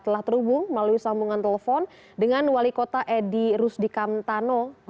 telah terhubung melalui sambungan telepon dengan wali kota edi rusdi kamtano